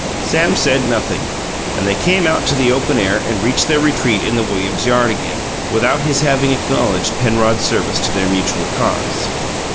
Sam said nothing, and they came out to the open air and reached their retreat in the Williams' yard again, without his having acknowledged Penrod's service to their mutual cause.